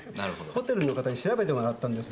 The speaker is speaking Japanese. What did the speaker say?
ホテルの方に調べてもらったんです。